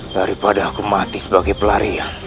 daripada aku mati sebagai pelarian